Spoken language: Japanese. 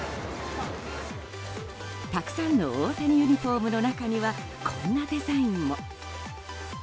たくさんの大谷ユニホームの中にはこんなデザインも。